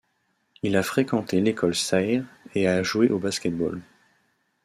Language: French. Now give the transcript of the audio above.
Il a fréquenté l'école Sayre et a joué au basketball.